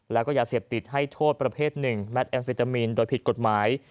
แล้วก็ยาเสพติดให้โทษประเภทหนึ่งแมทแอมเฟตามีนโดยผิดกฎหมาย